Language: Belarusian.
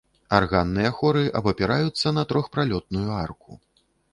Арганныя хоры абапіраюцца на трохпралётную арку.